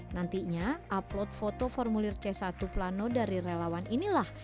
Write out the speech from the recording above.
nantinya upload foto formulir c satu plano dari relawan inilah